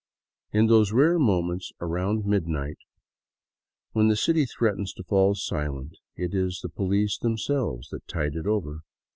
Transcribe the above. In those rare moments around midnight when the city threatens to fall silent, it is the police themselves that tide it over.